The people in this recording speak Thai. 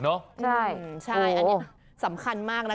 ใช่อันนี้สำคัญมากนะ